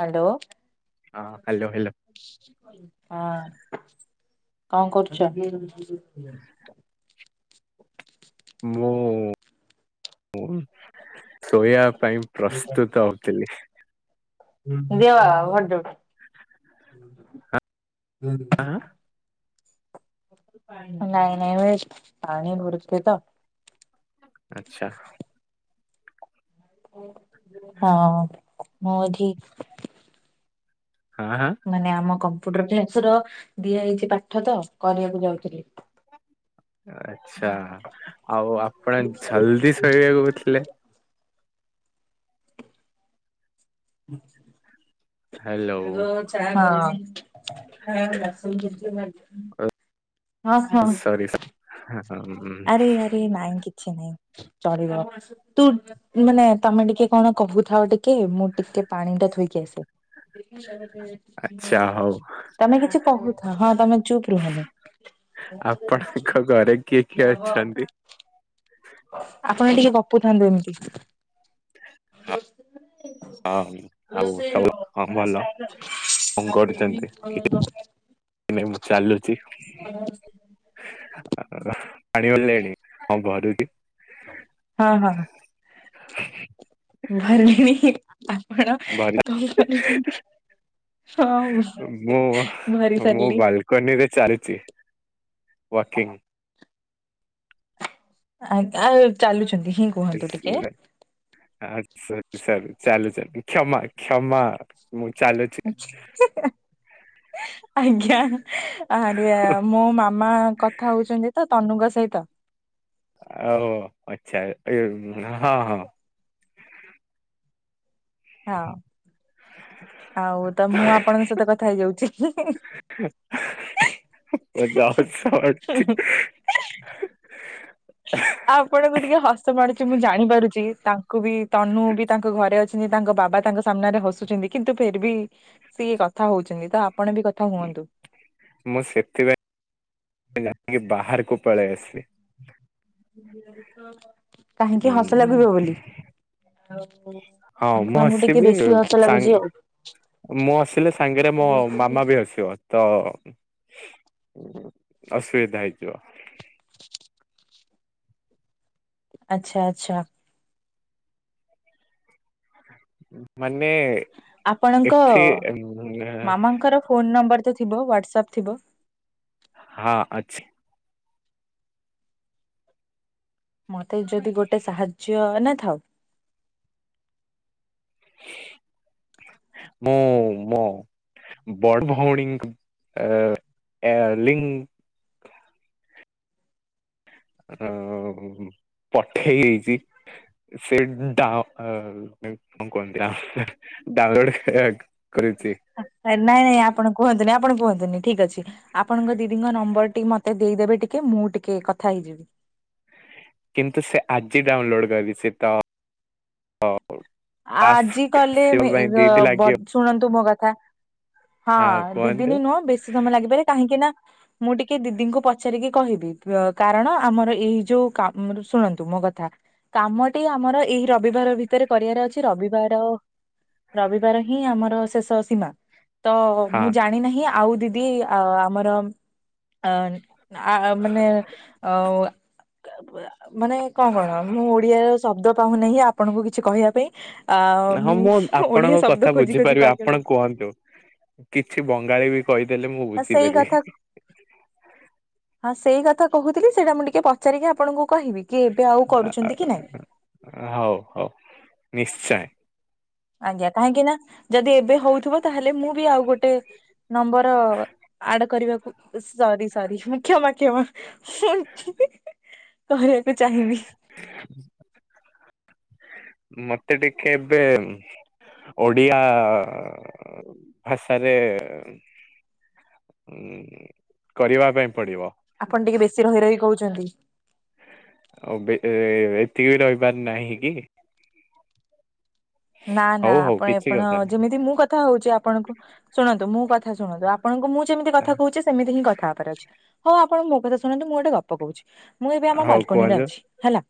Hello. ହଁ। Hello hello ହଁ। କଣ କରୁଛ? [inaudible] ମୁଁ ମୁଁ ସୋୟା ପାଇଁ ପ୍ରସ୍ତୁତ ହଉଥିଲି । ଦିଅବା [unintelligible] ଭଡ଼ଉ । [inaudible] ଦିଅନି ଦେ ହଁ [unintelligible] [unintelligible] ପାଣି ନାଇଁ ନାଇଁ ଭାଇ ପାଣି ଭରୁଚ଼ି ତ । ଆଚ୍ଛା । [inaudible] ହଁ ମୁଁ ଏଠି ହଁ ହଁ ମାନେ ଆମ କମ୍ ଫୁଡର କେସ ର ଦିଆ ହେଇଛି ପାଠ ତ କରିବାକୁ ଯାଉଥିଲି । [inaudible] ଆଚ୍ଛା ଆଉ ଆପଣ ଝଲଦି ଶୋଇବାକୁ କଉଥିଲେ । ହ୍ୟାଲୋ। [inaudible] ଆଗ ଚା ହଁ [inaudible] ହଁ ବାସନ ଜେଜେ ମାଜି ସରି ସା ହାଁ । ଆରେ ଆରେ ନାଇଁ କିି ଛି ନାଇଁ ଚଳିବ। ତୁ ମାନେ ତମେ ଟିକେ କଣ କହୁଥାଅ ଟିକେ, ମୁଁ ଟିକେ ପାଣି ଟା ଥୋଇକି ଆସେ । ତମେ ଆଚ୍ଛା ହଉ କିଛି କହୁଥାଅ। ହଁ, ତମେ ଚୁପ୍ ରୁହନି ଆପଣଙ୍କ ଘରେ କିଏ । କିଏ ଅଛନ୍ତି? ଥାନ୍ଦିନି କେ। ଅଁମ୍ ଆଉ ସବୁ ହଁ ଭଲ। କଣ କରୁଚ଼ନ୍ତି? କି [inaudible] ନା ମୁଁ ଚାଲୁଛି । [unintelligible] ଘରୁଟି ହଁ ହଁ। [inaudible] ଭରିଣୀ ଆପଣ ଭଲ କଣ କରୁଛନ୍ତି? [unintelligible] ହଁ ମୁଁ, ଭରି ମୁଁ ସାରିଲି। ବାଲକନିରେ ଚାଲିଚ଼ି ୱାକିଂ । ଆଜ୍ଞ ଆଉ ଚାଲୁଛନ୍ତି। ହିଁ କୁହନ୍ତୁ ଏସ୍ ଟିକେ। [unintelligible] ଆ ସରି ସରି ଚାଲୁ ଚାଲୁ କ୍ଷମା କ୍ଷମା । ଆଚ୍ଛା [unintelligible] ଆଜ୍ଞା ଆରିଆ ମୋ ମାମା କଥା ହଉଛନ୍ତି ତ! ତନୁ ଙ୍କ ସଇତ? ଓ ଆଚ୍ଛା ଏ ହଁ ହଁ । ହଁ ଆଉ ତ ମୁଁ ଆପଣଙ୍କ ସହିତ କଥା ହେଇଯାଉଚ଼ି। ହିଁ ଅଛି ହିଁ ଆପଣଙ୍କୁ ଟିକେ ହସ ମାରୁୁଛି। ମୁଁ ଜାଣିପାରୁଛି। [inaudible] କୁ ବି ତନୁ ବି ତାଙ୍କ ଘରେ ଅଛି। ତାଙ୍କ ବାବା ତାଙ୍କ ସାମ୍ନାରେ ହସୁଛନ୍ତି। କିନ୍ତୁ, ଫିର୍ ବି ସିଏ କଥା ହଉଛନ୍ତି। ତ ଆପଣ ବି କଥା ହୁଅନ୍ତୁ। ମୁଁ ସେଥିପାଇଁ [inaudible] ବାହାରକୁ ପଳେଇ ଆସିଲି। [inaudible] ହସ ଲାଗିବ ଉଁ- ବୋଲି। ଆଉ ହଁ, ମୁଁ ଆପଣଙ୍କୁ ଟିକେ ହସିବି ବେଶୀ ଆଉ ହସ ଲାଗୁଛି ଆଉ। ସାଙ୍ଗ ମୁଁ ହସିଲେ, ସାଙ୍ଗରେ ମୋ ମାମା ବି ହସିବ। ତ ଅ ଅସୁବିଧା ହେଇଯିବ। ଆଚ୍ଛା ଆଚ୍ଛା। ଏ ମାନ ଆପଣଙ୍କ ଉଁ, ମାମାଙ୍କର ଫୋନ ନମ୍ବର। ତ ଥିବ ୱାଟ୍ସାପ୍ ଥିବ। ହଁ ଅଛି। ମତେ ଯଦି ଗୋଟେ ସାହାଯ୍ୟ ନା ଥାଉ। ମୁଁ ମୋ ବଡ ଭଉଣୀଙ୍କ ଅ ଲିଙ୍କ୍ ଅଁ ପଠେଇ ଦେଇଛି। ସେ ଡାଁ କଣ କୁହନ୍ତି? ଡାଉନଲୋଡ୍ କରିଆକୁ। ନାଇଁ ନାଇଁ ଆପଣ କୁହନ୍ତୁନି ଆପଣ କୁହନ୍ତୁନି। ଠିକ ଅଛି ଆପଣଙ୍କ ଦିଦିଙ୍କ ନମ୍ବର ଟିକେ ମତେ ଦେଇଦେବେ ଟିକେ ମୁଁ ଟିକେ କଥା ହେଇଯିବି। କିନ୍ତୁ ସେ ଆଜି ଡାଉନଲୋଡ କରିଛି ତ ହ। ଆଜି କଲେ ପାଇଁ ଦି ଦିନ ମେ-ର-ବ ଲାଗିବ ଶୁଣନ୍ତୁ ମୋ କ [inaudible] ହଁ ଦିଦିନି ନୁହଁ ବେଶୀ ସମୟ ଲାଗିପାରେ କାହିଁକି ନା ମୁଁ ଟିକେ ଦିଦିଙ୍କୁ ପଚାରିକି କହିବି କାରଣ ଆମର ଏଇ ଯୋଉ କାମ ଶୁଣନ୍ତୁ ମୋ କଥା କାମଟି ଆମର ଏଇ ରବିବାର ଭିତରେ କରିବାର ଅଛି ରବିବାର ରବିବାର ହିଁ ଆମର ଶେଷ ସୀମା। ତ ହଁ ମୁଁ ଜାଣି ନାହିଁ ଆଉ ଦିଦି ଆମର ଅ ଆ ମାନେ ଅ ମାନେ କଅଣ ମୁଁ ଓଡିଆର ଶବ୍ଦ ପାଉନାହିଁ ଆପଣଙ୍କୁ କିଛି କହିବା ପାଇଁ। ଆ ହଁ ମୁଁ ଓଡିଆ ଆପଣଙ୍କ ଶବ୍ଦ କଥା ଖୋଜି ଖୋଜି ବୁଝିପାରିବି ପାଗଳ ଆପଣ ହେଇଗଲି କୁହନ୍ତୁ କିଛି ବଙ୍ଗାଳୀ ବି କହିଦେଲେ ମୁଁ ସେଇ ବୁଝିପାରିବି। କଥା ହଁ ସେଇ କଥା କହୁଥିଲି ସେଇଟା ମୁଁ ଟିକେ ପଚାରିକି ଆପଣଙ୍କୁ କହିବି କି ଏବେ ଆଉ କରୁଛନ୍ତି କି ନାଇଁ? ହଉ ହଉ ନିଶ୍ଚୟ ଆଜ୍ଞା କାହିଁକିନା ଯଦି ଏବେ ହଉଥିବ ତାହେଲେ ମୁଁ ବି ଆଉ ଗୋଟେ ନମ୍ବର ଆଡ କରିବାକୁ ସରି ସରି କ୍ଷମା କ୍ଷମା। [inaudible] କରିବାକୁ ଚାହିଁବି। ମତେ ଟିକେ ଏବେ ଓଡିଆ ଭାଷାରେ ଉ ଆପଣ ଟିକେ ବେଶୀ ରହି ରହି କହୁ ଛନ୍ତି। ଆଉ ବେଟ୍ ଏତିକି ବି ରହିବାର ନାହିଁ କି। ନା ନା ହଉ ହଉ ଆପଣ କିଛି ଆପଣ କଥା ନାହିଁ। ଯେମିତି ମୁଁ କଥା ହଉଛି। ଆପଣଙ୍କୁ ଶୁଣନ୍ତୁ ମୁଁ କଥା ଶୁଣନ୍ତୁ ।ଆପଣଙ୍କୁ ମୁଁ ଯେମିତି କଥା କହୁଛି ସେମିତି ହିଁ କଥା ହବାର ଅଛି। ହଉ ଆପଣ ମୋ କଥା ଶୁଣନ୍ତୁ, ମୁଁ ଗୋଟେ ଗପ କହୁଛି। ମୁଁ ଏବେ ଆମ ହଉ ବାଲକୋନୀରେ କୁହନ୍ତୁ ଅଛି। ହେଲା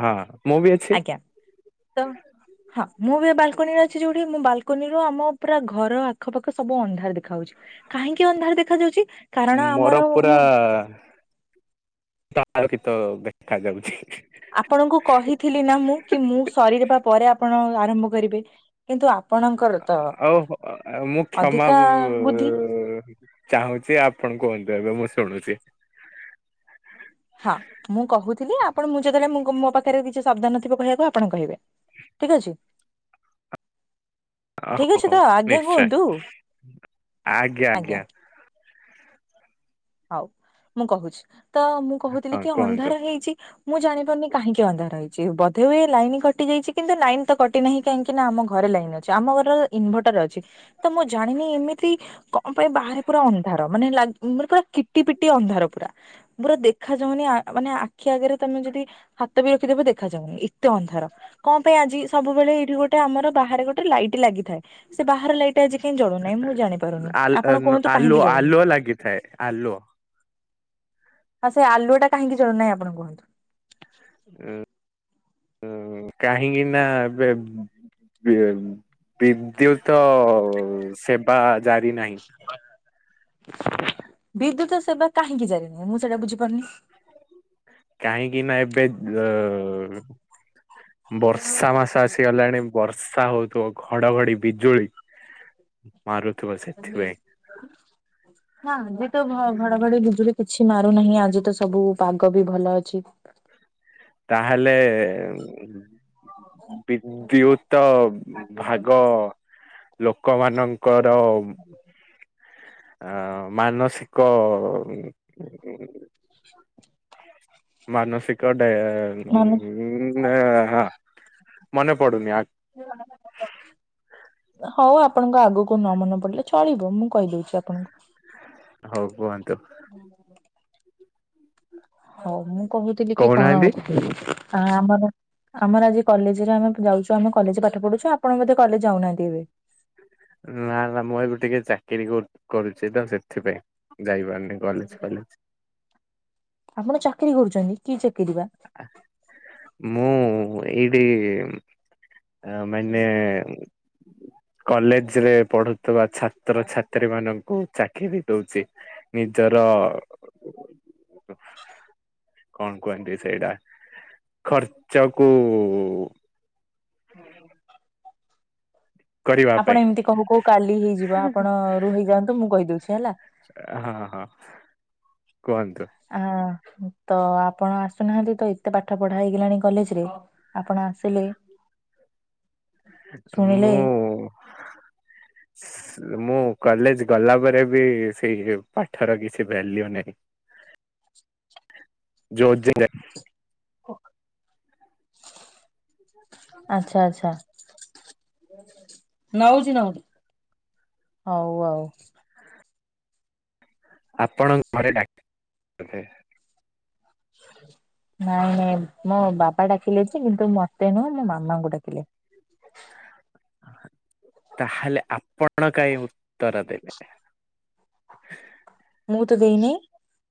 ହଁ ମୁଁ ବି ଅଛି ଆଜ୍ଞା ତ ହଁ। ମୁଁ ବି ଏ ବାଲକନିରେ ଅଛି ।ଯୋଉଠି ମୁଁ ବାଲକନିରୁ ଆମ ପୁରା ଘର ଆଖପାଖ ସବୁ ଅନ୍ଧାର ଦେଖା ଯାଉଛି। କାହିଁକି ଅନ୍ଧାର ଦେଖା ଯାଉଛି। ମୋର ପୁରା ତ ଆଳୋକୀତ ଦେଖାଯାଉଛି। ଆପଣଙ୍କୁ କହିଥିଲି ନା ମୁଁ କି ମୁଁ ସରିରବା ପରେ ଆପଣ ଆରମ୍ଭ କରିବେ କିନ୍ତୁ। ଆ ଆଉ ମୁଁ କ୍ଷମା ଅଧିକା ବୁଦ୍ଧି ଚାହୁଁଛି। ଆପଣ କୁହନ୍ତୁ ଏବେ ମୁଁ ଶୁ ଶୁଣୁଛି। ହଁ ମୁଁ କହୁଥିଲି ଆପଣ ।ମୁଁ ଯେତେବେଳେ ମୁଁ ମୋ ପାଖରେ କିଛି ସାବଧାନଥିବ କହିବାକୁ ଆପଣ କହିବେ ଠିକ ଅଛି। ଓ ଠିକ ହୋ ଅଛି ହୋ ତ ଆଜ୍ଞା ନିଶ୍ଚୟ କୁହନ୍ତୁ ଆଜ୍ଞା ଆଜ୍ଞା। ହଉ ମୁଁ କହୁଚି। ତ ମୁଁ ହଁ କହୁଥିଲି କି କୁହନ୍ତୁ ଅନ୍ଧାର ହେଇଚି। ମୁଁ ଜାଣିପାରୁନି କାହିଁକି ଅନ୍ଧାର ହେଇଚି। ବୋଧେ ହୁଏ ଲାଇନ କଟି ଯାଇଚି କିନ୍ତୁ ଲାଇନ ତ କଟି ନାହିଁ, କାହିଁକି ନା ଆମ ଘରେ ଲାଇନ ଅଛି ଆମ ଘରର ଇନଭର୍ଟର ଅଛି। ତ ମୁଁ ଜାଣିନି ଏମିତି କଣ ପାଇଁ ବାହାରେ ପୁରା ଅନ୍ଧାର ମାନେ ମାନ ପୁରା କିଟି ପିଟି ଅନ୍ଧାର ପୁରା ପୁରା ଦେଖା ଯାଉନି । ଅ ମାନେ ଆଖି ଆଗରେ ତମେ ଯଦି ହାତ ବି ରଖିଦବ ଦେଖା ଯାଉନି, ଏତେ ଅନ୍ଧାର କଣ ପାଇଁ ଆଜି ।ସବୁବେଳେ ଏଇଠି ଗୋଟେ ଆମର ବାହାରେ ଗୋଟେ ଲାଇଟ ଲାଗି ଥାଏ। ସେ ବାହାରେ ଲାଇଟା ଆଜି କାହିଁ ଜଳୁନାହିଁ ।ମୁଁ ଜାଣିପାରୁନି ଆଲ- ଆପଣ ନ- କୁହନ୍ତୁ କାହିଁକି ଆଲୁଅ ଜଳୁନି। ଆଲୁଅ ଲାଗିଥାଏ ଆଲୁଅ ହଁ ସେ ଆଲୁଅ ଟା କାହିଁକି ଜଳୁନାହିଁ ଆପଣ କୁହନ୍ତୁ? ଉଁ ଉଁ କାହିଁକିନା ବେ ବେ ବିଦ୍ୟୁତ। ସେବା। ଜାରୁ ନାହିଁ। ବିଦ୍ୟୁତ ସେବା କାହିଁକି ଜାରିନାହିଁ, ମୁଁ ସେଟା ବୁଝିପାରୁନି। କାହିଁକି ନା ଏବେ ଯ ବର୍ଷା ମାସ ଆସିଗଲାଣି ବର୍ଷା ହଉ ତ ଘଡଘଡି ବିଜୁଳି। ମାରୁଥିବ ସେଥିପାଇଁ [inaudible] ନା ଯେତ ଭ ଘଡଘଡି ବିଜୁଳି କିଛି ମାରୁନାହିଁ। ଆଜି ତ ସବୁ ପାଗ ବି ଭଲ ଅଛି। ତାହେଲେ ବିଦ୍ୟୁତ ଭାଗ ଲୋକମାନଙ୍କର ଆ ମାନସିକ ମାନସିକ ଟା ମାନେ ନା ହଁ। ମନେ ପଡୁନି ଆ ହଉ ଆପଣଙ୍କ ଆଗକୁ ନ ମନେ ପଡିଲେ ଚଳିବ ମୁଁ କହିଦଉଚି ଆପଣଙ୍କୁ। ହଉ କୁହନ୍ତୁ। ହୁଁ। ହଉ ମୁଁ କହୁଥିଲି କି କଣ କହୁନାହାନ୍ତି। କି ଆ ଆମର ଆମର ଆଜି କଲେଜରେ ଆମେ ଯାଉଚୁ ଆମେ କଲେଜ ପାଠ ପଢୁଛୁ ଆପଣ ବଧେ କଲେଜ ଯାଉନାହାନ୍ତି ଏବେ। କରୁଚି ତ ସେଥିପାଇଁ ଯାଇପାରନ କଲେଜ ଫଲେଜ। ଆପଣ ଚାକିରି କରୁଚନ୍ତି କି ଚାକିରି ବା? ମୁଁ ଏଇଠି ଆ ମାନେ କଲେଜ ରେ ପଢୁଥୁବା ଛାତ୍ରଛାତ୍ରୀ ମାନଙ୍କୁ ଚା ଚାକିରି ଦଉଚି। ନିଜର କଣ କୁହନ୍ତି ସେଇଟା ଖର୍ଚ୍ଚ କୁ ହଉ ହଉ। କରିବା ପାଇଁ ଆପଣ ଏମିତି କହୁ କହୁ କାଲି ହେଇଯିବ ଆପଣ ରହି ହେଇଯାଆନ୍ତୁ ମୁଁ କହିଦଉଛି ହେଲା। ହଁ ହଁ କୁହନ୍ତୁ। ହଁ ତ ଆପଣ ଆସୁନାହାନ୍ତି ତ ଏତେ ପାଠ ପଢା ହେଇଗଲାଣି କଲେଜ ରେ, ଆପଣ ଆସିଲେ ଶୁଣିଲେ ମୁଁ। ମୁଁ କଲେଜ ଗଲା ପରେ ବି ସେଇ ପାଠର କିଛି ଭାଲ୍ୟୁ ନାହିଁ। ଓ। ଆଚ୍ଛା ଆଚ୍ଛା। ନଉଛି ନଉ, ହଉ ଆଉ। ଆପଣଙ୍କ ଘରେ ଡା, ବଧେ। ନାଇଁ ନାଇଁ। ମୋ ବାପା ଡ଼ା ଲେ କିନ୍ତୁ ମତେ ନୁହଁ ମୋ ମାମାଙ୍କୁ ଡାକିଲେ। [unintelligible] ତାହେଲେ ଆପଣ କାଇଁ ଉତ୍ତର ଦେବେ ମୁଁ ତ ଦେଇନି।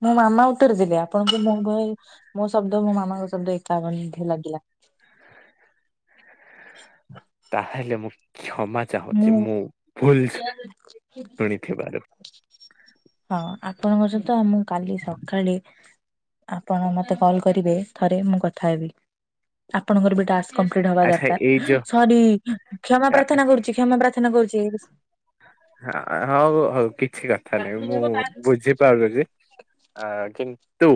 ମୋ ମାମା ଉତ୍ତର ଦେବେ [unintelligible] ତାହେଲେ ମୁଁ କ୍ଷମା ଚାହୁଁଛି ମୁଁ ଭୁଲ ଶୁଣିଥିବାରୁ। ହଁ ଆପଣଙ୍କ ସହିତ ଆମ କାଲି ସକାଳେ ଆପଣ ମତେ କଲ କରିବେ ଥରେ ମୁଁ କଥା ହେବି, ଆପଣଙ୍କର ବିଟ ଟାସ୍କ କପ୍ଲିଟ୍ ହବା ଆଚ୍ଛା ଏଇ ଦରକାର ଯୋଉ ସରି କ୍ଷମା ପ୍ରାର୍ଥନା କରୁ ପ୍ରାର୍ଥନା କରୁଛି। ହଉ ହଉ କିଛି କଥା ନାହିଁ ମୁଁ ବୁଝିପାରୁିଛି। ଅ କିନ୍ତୁ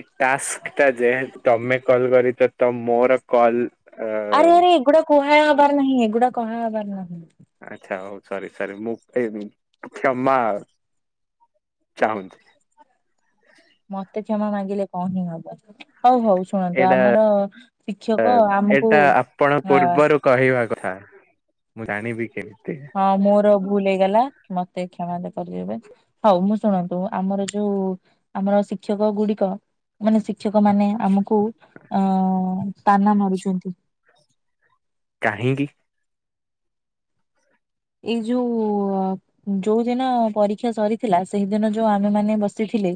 ଏଟାସ୍କ ତା ଯେହେତୁ ତମେ କଲ୍ କରିଛ ତ ମୋର କଲ ଆରେ ଆରେ ଏଗୁଡା କୁହା ବାର ନାହିଁ ଏଗୁଡା କହାବାର ନାହିଁ। ଆଚ୍ଛା ହଉ ସରି, ସରି ମୁଁ ଏ କ୍ଷମା ଚାହୁଁଛି। ମତେ କ୍ଷମା ମାଗିଲେ କଣ ହିଁ ହବ? ହଉ ହଉ ଶୁଣନ୍ତୁ, ଏଇଟା ଆମର ଶିକ୍ଷକ ଆମକୁ ଏଇଟା ଆପଣ ଅ ପୂର୍ବରୁ କହିବା କଥା ମୁଁ ଜାଣିବି କେମିତି? ହଁ ମୋର ଭୁଲ ହେଇଗଲା। ମତେ କ୍ଷମା ଦେ କରିଦେବେ ହଉ ମୁଁ ଶୁଣନ୍ତୁ ଆମର ଯୋଉ ଆମର ଶିକ୍ଷକ ଗୁଡିକ ମାନେ ଶିକ୍ଷକ ମାନେ ଆମକୁ ଅ ତାନା ମାରୁଛନ୍ତି। କାହିଁକି? ଏଇ ଯୋଉ ଯୋଉଦିନ ପରୀକ୍ଷା ସରିଥିଲା ସେଇଦିନ ଯୋଉ ଆମେମାନେ ବସିଥିଲେ।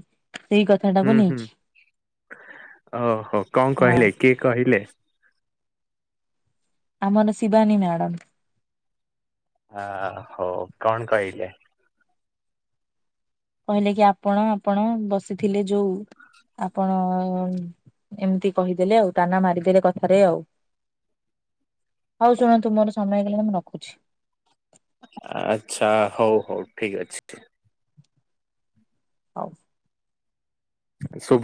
ସେଇ କଥାଟାକୁ ହୁଁ ହୁଁ ନେଇକି ଓହୋ କଣ ହଁ କହିଲେ କିଏ କହିଲେ? ଆମର ଶିବାନୀ ମ୍ୟାଡାମ? ହ ହଉ କଣ କହିଲେ? କହିଲେ କି ଆପଣ ଆପଣ ବସିଥିଲେ ଯୋଉ ଆପଣ ଏମିତି କହିଦେଲେ ଆଉ ତାନା ମାରିଦେଲେ କଥାରେ ଆଉ ହଉ ଶୁଣନ୍ତୁ ମୋର ସମୟ ହେଇଗଲା ମୁଁ ରଖୁଛି। ଆଛା ହଉ ହଉ ଠିକ ଅଛି। ହଉ। ଶୁଭ